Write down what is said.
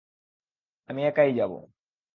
আমি একাই যাব।